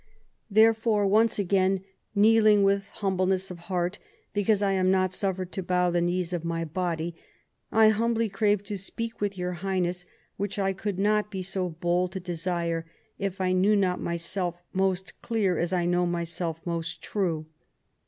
Therefore once again, kneeling with humbleness of heart, because I am not suffered to bow the knees of my body, I humbly crave to speak with your Highness : which I could not be so bold to desire if I knew not myself most clear as I know myself most true.